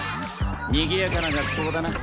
にぎやかな学校だな。